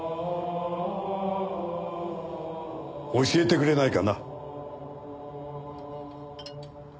教えてくれないかな？